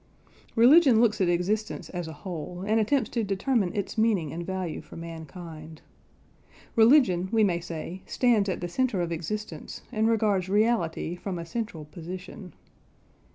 Religion looks at existence as a whole, and attempts to determine its meaning and value for mankind. Religion, we may say, stands at the centre of existence, and regards reality from a central position.